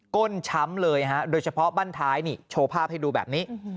้นช้ำเลยฮะโดยเฉพาะบ้านท้ายนี่โชว์ภาพให้ดูแบบนี้